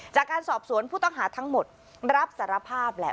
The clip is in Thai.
จากการสอบสวนผู้ต้องหาทั้งหมดรับสารภาพแหละ